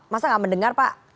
masa nggak mendengar pak